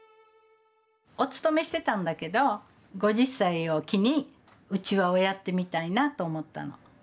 お勤めしてたんだけど５０歳を機にうちわをやってみたいなと思ったの。